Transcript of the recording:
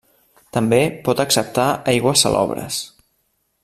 També pot acceptar aigües salobres.